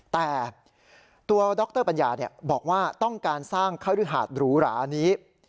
แต่ตัวดรปัญญาบอกว่าต้องการสร้างคฤหาดหรูหรานี้